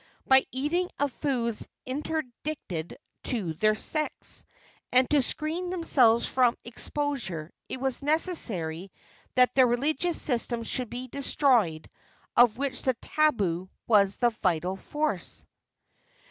by eating of foods interdicted to their sex, and to screen themselves from exposure it was necessary that the religious system should be destroyed of which the tabu was the vital force.